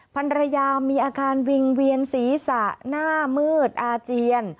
ภรรยามีอาการวิ่งเวียนศีรษะหน้ามืดอาเจียน